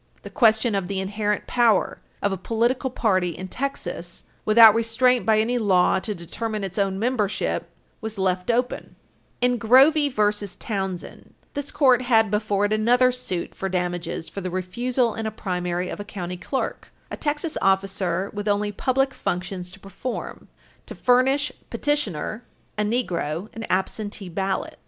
Nixon v. Condon, 286 U. S. 73. The question of the inherent power Page 321 U. S. 659 of a political party in Texas "without restraint by any law to determine its own membership" was lift open. Id., 286 U. S. 84 85. In Grovey v. Townsend, 295 U. S. 45, this Court had before it another suit for damages for the refusal in a primary of a county clerk, a Texas officer with only public functions to perform, to furnish petitioner, a Negro, an absentee ballot.